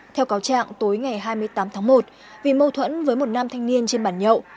theo cáo trạng tối ngày hai mươi tám tháng một vì mâu thuẫn với một nam thanh niên trên bàn nhậu